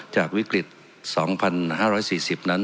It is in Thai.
จากวิกฤต๒๕๔๐นั้น